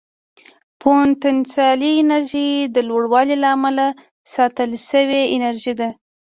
پوتنسیالي انرژي د لوړوالي له امله ساتل شوې انرژي ده.